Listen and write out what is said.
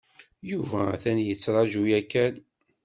Yuba atan yettraju yakan.